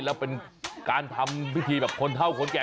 แล้วเป็นการทำพิธีแบบคนเท่าคนแก่